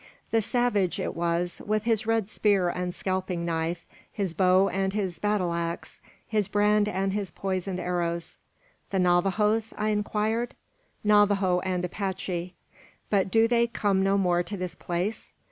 The savage it was, with his red spear and scalping knife, his bow and his battle axe, his brand and his poisoned arrows. "The Navajoes?" I inquired. "Navajo and Apache." "But do they come no more to this place?"